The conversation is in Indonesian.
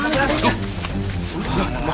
itu tuh itu